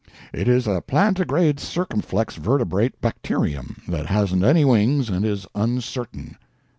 "It is a plantigrade circumflex vertebrate bacterium that hasn't any wings and is uncertain."